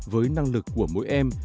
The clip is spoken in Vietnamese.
với năng lực của mỗi em